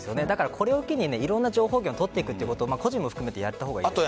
これを機にいろんな情報源を取っていくことやったほうがいいと思う。